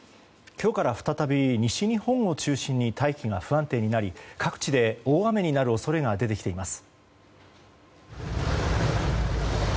今日から再び西日本を中心に大気が不安定になり各地で大雨になる恐れが出てきています。